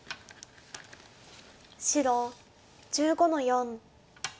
白１５の四。